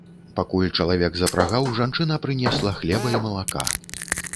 Пакуль чалавек запрагаў, жанчына прынесла хлеба і малака.